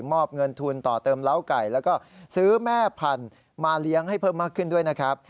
อบเงินทุนต่อเติมเล้าไก่แล้วก็ซื้อแม่พันธุ์มาเลี้ยงให้เพิ่มมากขึ้นด้วยนะครับ